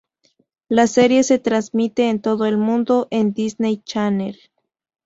La serie se transmite en todo el mundo en Disney Channel.